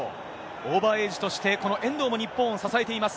オーバーエイジとして、この遠藤も日本を支えています。